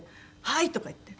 「はい！」とか言って。